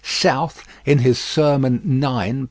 South in his Sermon IX, p.